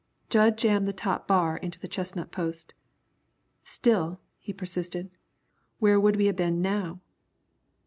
Jud jammed the top bar into the chestnut post. "Still," he persisted, "where would we a been now?"